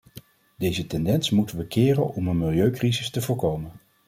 Deze tendens moeten we keren om een milieucrisis te voorkomen.